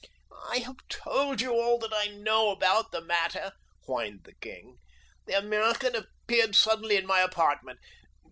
"I have told you all that I know about the matter," whined the king. "The American appeared suddenly in my apartment.